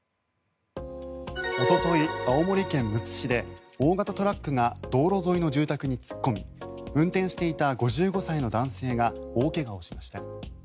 おととい、青森県むつ市で大型トラックが道路沿いの住宅に突っ込み運転していた５５歳の男性が大怪我をしました。